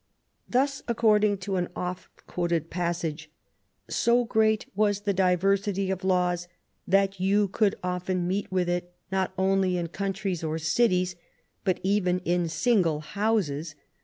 '^ Thus, accord ing to an often quoted passage, " so great was the diversity of laws that you would often meet with it, not only in countries or cities, but even in single houses.